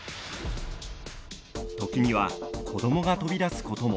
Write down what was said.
時には子供が飛び出すことも。